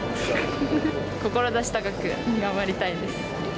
志高く頑張りたいです。